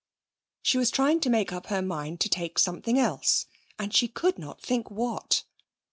She was trying to make up her mind to take something else and she could not think what.